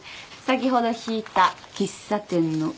先ほど引いた喫茶店の占いも。